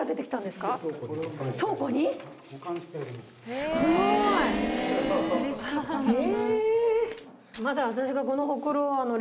すごい！え！